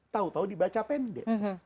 tahu tahu dibaca pendek